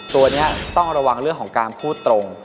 ตัวนี้ต้องระวังเรื่องของการพูดตรง